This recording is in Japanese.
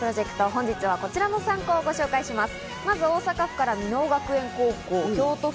本日はこちらの３校をご紹介します。